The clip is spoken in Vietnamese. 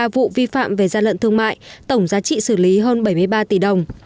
sáu trăm hai mươi ba vụ vi phạm về gian lận thương mại tổng giá trị xử lý hơn bảy mươi ba tỷ đồng